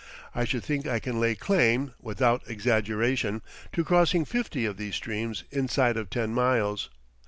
I should think I can lay claim, without exaggeration, to crossing fifty of these streams inside of ten miles.